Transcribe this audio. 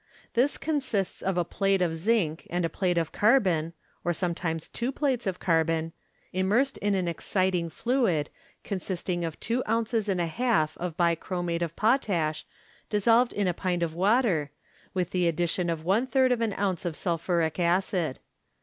This consists of a plate of zinc and a plate of carbon (or some times two plates of carbon) immersed in an exciting fluid, consisting of two ounces and a half of bichromate of potash dissolved in a pint of water, with the addition of one third of an ounce of sulphuric acid.